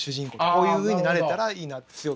こういうふうになれたらいいなって。